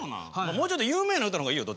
もうちょっと有名な歌の方がいいよ